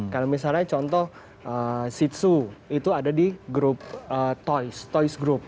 kalau misalnya contoh shih tzu itu ada di group toys toys group